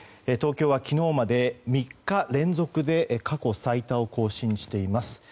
東京は昨日まで３日連続で過去最多を更新しています。